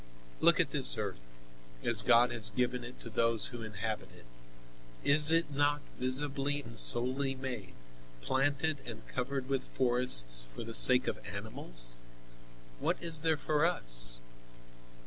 "Look at this earth, as God has given it to those who inhabit it. Is it not visibly and solely made, planted and covered with forests for the sake of animals? What is there for us?